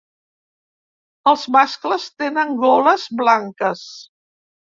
Els mascles tenen goles blanques.